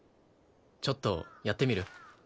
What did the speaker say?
ちょっとやってみる？